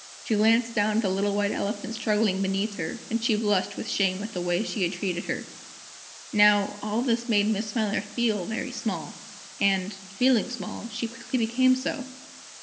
She glanced down at the little White Elephant struggling beneath her, and she blushed with shame at the way she had treated her. Now, all this made Miss Smiler feel very small. And, feeling small, she quickly became so!